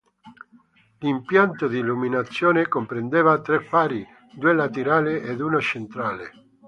L'impianto di illuminazione comprendeva tre fari, due laterali ed uno centrale.